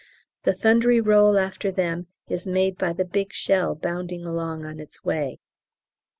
The thundery roll after them is made by the big shell bounding along on its way.